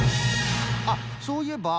あっそういえば。